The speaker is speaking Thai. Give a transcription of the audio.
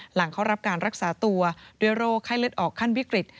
หลังเข้ารับการรักษาตัวด้วยโรคไข้เลือดออกขั้นวิกฤต